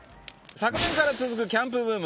昨年から続くキャンプブーム。